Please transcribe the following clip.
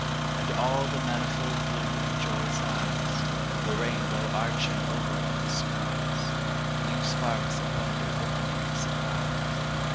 And all the manifold blue and joyous eyes, The rainbow arching over in the skies, New sparks of wonder opening in surprise.